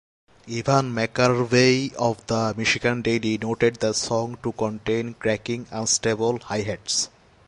Evan McGarvey of The Michigan Daily noted the song to contain "cracking, unstable hi-hats".